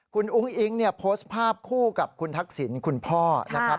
คุณอุ้งอิ๊งเนี่ยโพสต์ภาพคู่กับคุณทักษิณคุณพ่อนะครับ